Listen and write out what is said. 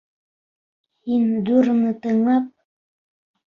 Һин дураны тыңлап...